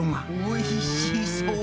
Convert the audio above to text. おいしそう！